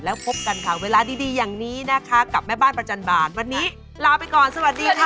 แล้วพบกันค่ะเวลาดีอย่างนี้นะคะกับแม่บ้านประจันบาลวันนี้ลาไปก่อนสวัสดีค่ะ